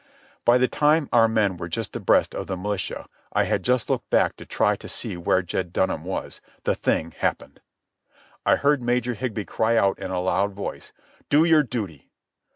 By the time our men were just abreast of the militia—I had just looked back to try to see where Jed Dunham was—the thing happened. I heard Major Higbee cry out in a loud voice, "Do your duty!"